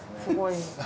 すごい。